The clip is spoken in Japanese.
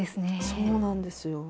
そうなんですよ。